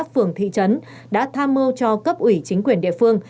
phường thị trấn đã tham mưu cho cấp ủy chính quyền địa phương